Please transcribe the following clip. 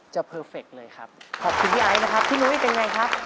เพอร์เฟคเลยครับขอบคุณพี่ไอซ์นะครับพี่นุ้ยเป็นไงครับ